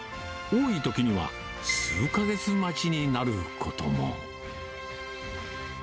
多いときには数か月待ちになることも。